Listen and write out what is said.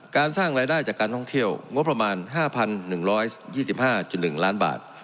สร้างรายได้จากการท่องเที่ยวงบประมาณ๕๑๒๕๑ล้านบาท